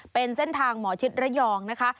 เป็นเส้นทางหมอชิดระยองนะคะ